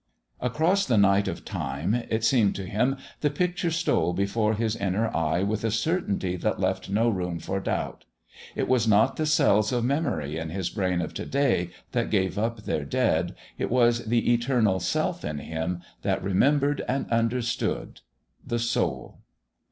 Across the night of time, it seemed to him, the picture stole before his inner eye with a certainty that left no room for doubt. It was not the cells of memory in his brain of To day that gave up their dead, it was the eternal Self in him that remembered and understood the soul....